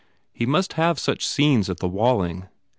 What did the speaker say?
He must have such scenes at the Walling.